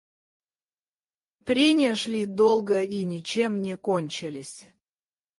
Прения шли долго и ничем не кончились.